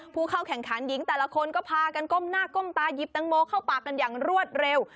ผู้เข้าแข่งขันหญิงแต่ละคนก็พากันก้มหน้าก้มตายิบแตงโมเข้าปากกันอย่างรวดเร็ว